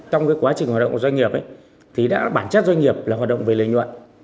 trong quá trình hoạt động của doanh nghiệp thì đã bản chất doanh nghiệp là hoạt động về lợi nhuận